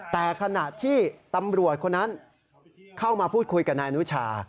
แต่ขณะที่ตำรวจคนนั้นเข้ามาพูดคุยกับนายอนุชา